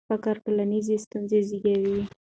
فقر ټولنیزې ستونزې زیږوي.